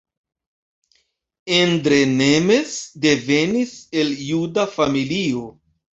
Endre Nemes devenis el juda familio.